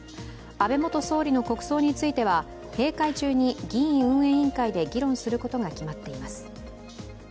安倍元総理の国葬については閉会中に議院運営委員会で議論することが決まっています。